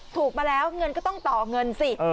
ถูกมาแล้วเงินก็ต้องต่อเงินสิ